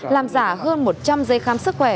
làm giả hơn một trăm linh giấy khám sức khỏe